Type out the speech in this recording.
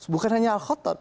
bukan hanya al khotob